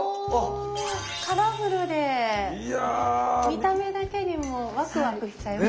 カラフルで見た目だけでもワクワクしちゃいそう。